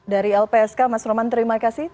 dari lpsk mas roman terima kasih